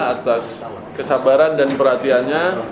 atas kesabaran dan perhatiannya